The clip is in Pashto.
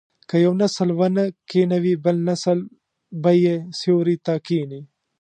که یو نسل ونې کینوي بل نسل به یې سیوري ته کیني.